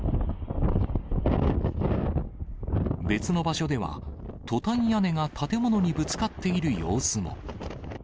別の場所では、トタン屋根が建物にぶつかっている様子も。